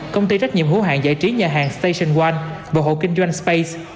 công ty trách nhiệm hữu hạng giải trí nhà hàng station one bộ hộ kinh doanh space